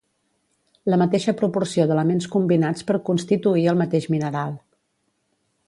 La mateixa proporció d'elements combinats per constituir el mateix mineral.